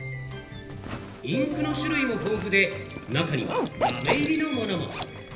インクの種類も豊富で、中にはラメ入りのものも。